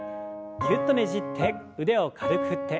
ぎゅっとねじって腕を軽く振って。